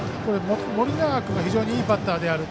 盛永君が非常にいいバッターである。